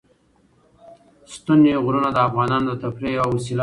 ستوني غرونه د افغانانو د تفریح یوه وسیله ده.